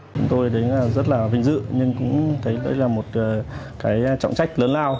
chúng tôi rất là vinh dự nhưng cũng thấy đây là một trọng trách lớn lao